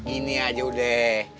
ini aja udah